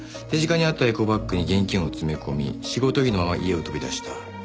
手近にあったエコバッグに現金を詰め込み仕事着のまま家を飛び出した。